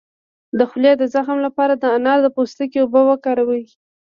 د خولې د زخم لپاره د انار د پوستکي اوبه وکاروئ